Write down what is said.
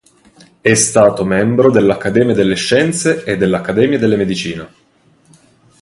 È stato membro dell'Accademia delle Scienze e dell'Accademia della medicina.